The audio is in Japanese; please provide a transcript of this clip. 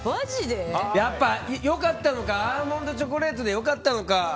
やっぱりアーモンドチョコレートで良かったのか。